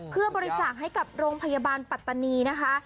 เพื่อบริจาคให้กับโรงพยาบาลปัตตานีนะคะ